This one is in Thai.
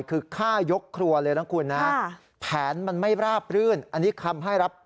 คือฆ่ายกครัวเลยนะคุณนะแผนมันไม่ราบรื่นอันนี้คำให้รับ